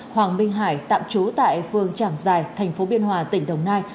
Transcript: hoàng minh hải tạm trú tại phương trảng giài thành phố biên hòa tỉnh đồng nai